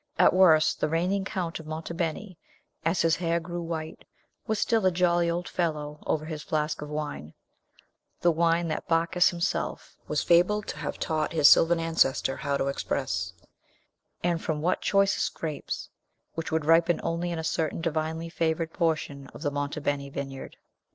At worst, the reigning Count of Monte Beni, as his hair grew white, was still a jolly old fellow over his flask of wine, the wine that Bacchus himself was fabled to have taught his sylvan ancestor how to express, and from what choicest grapes, which would ripen only in a certain divinely favored portion of the Monte Beni vineyard.